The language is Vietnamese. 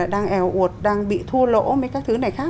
đang eo uột đang bị thua lỗ mấy cái thứ này khác